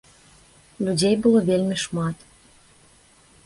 Людзей было вельмі шмат.